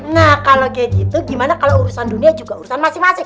nah kalau kayak gitu gimana kalau urusan dunia juga urusan masing masing